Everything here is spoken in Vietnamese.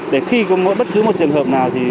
để khi có bất cứ một trường hợp nào